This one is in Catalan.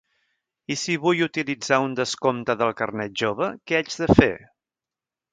I si vull utilitzar un descompte del carnet jove, que haig de fer?